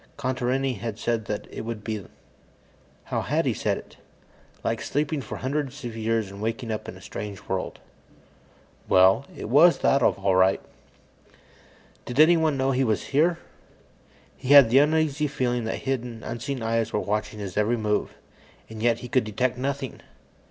Contarini had said that it would be ... how had he said it? "Like sleeping for hundreds of years and waking up in a strange world." Well, it was that, all right. Did anyone know he was here? He had the uneasy feeling that hidden, unseen eyes were watching his every move, and yet he could detect nothing.